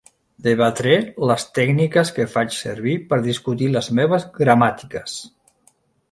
Debatré les tècniques que faig servir per discutir les meves gramàtiques.